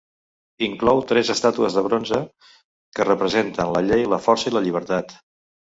Inclou tres estàtues de bronze que representen la Llei, la Força i la Llibertat.